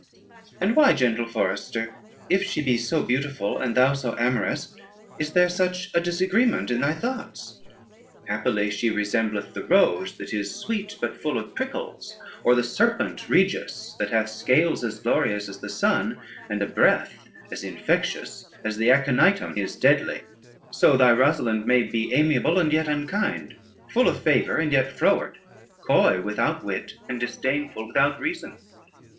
"And why, gentle forester, if she be so beautiful, and thou so amorous, is there such a disagreement in thy thoughts? Happily she resembleth the rose, that is sweet but full of prickles? or the serpent Regius that hath scales as glorious as the sun and a breath as infectious as the Aconitum is deadly? So thy Rosalynde may be most amiable and yet unkind; full of favor and yet froward, coy without wit, and disdainful without reason."